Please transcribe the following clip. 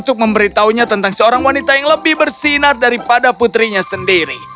untuk memberitahunya tentang seorang wanita yang lebih bersinar daripada putrinya sendiri